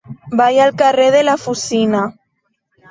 Vaig al carrer de la Fusina.